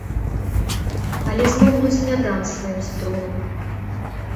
Але змоўкнуць не дам сваім струнам.